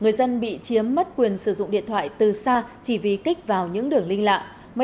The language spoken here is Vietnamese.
người dân bị chiếm mất quyền sử dụng điện thoại từ xa chỉ vì kích vào những đường link lạ